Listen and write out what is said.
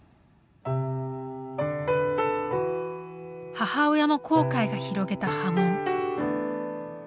母親の後悔が広げた波紋。